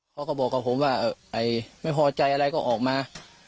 เขาก็บอกกับผมว่าไม่พอใจอะไรก็ออกมา